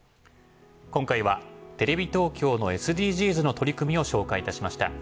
今回はテレビ東京のＳＤＧｓの取り組みを紹介いたしました。